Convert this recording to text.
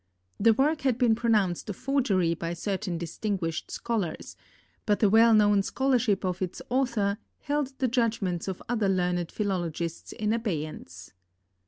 The work had been pronounced a forgery by certain distinguished scholars; but the well known scholarship of its author held the judgments of other learned philologists in abeyance.